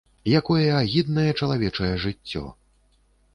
Якое агіднае чалавечае жыццё.